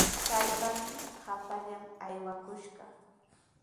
¡Kaypami hapallan aywakushqa!